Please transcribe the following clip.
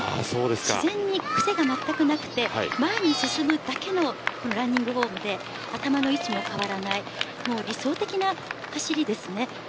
自然にくせがまったくなくて前に進むだけのランニングフォームで頭の位置も変わらない理想的な走りです。